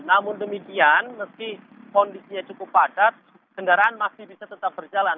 namun demikian meski kondisinya cukup padat kendaraan masih bisa tetap berjalan